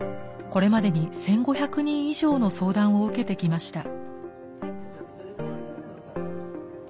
これまでに１，５００人以上の相談を受けてきました。